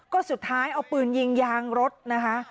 ก็สุดท้ายเอาปืนยิงยางรถนะคะ